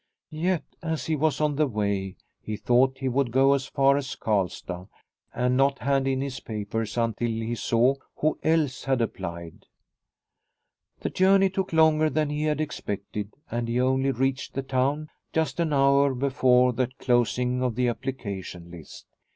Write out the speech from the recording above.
Yet, as he was on the way, he thought he would go as far as Karlstad, and not hand in his papers until he saw who else had applied. The journey took longer than he had ex pected, and he only reached the town just an hour before the closing of the application list.